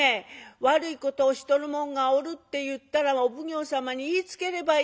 悪いことをしとる者がおるっていったらお奉行様に言いつければいいがや。